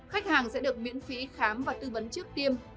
khách hàng sẽ được miễn phí khám và tư vấn trước tiêm